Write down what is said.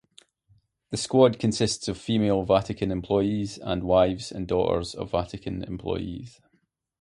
The squad consists of female Vatican employees and wives and daughters of Vatican employees.